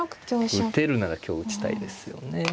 打てるなら香打ちたいですよね。